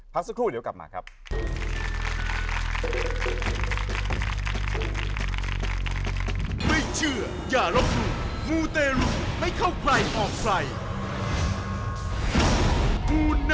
พักสักครู่เดี๋ยวกลับมาครับ